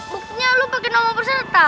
buktinya lu pake nomor perserta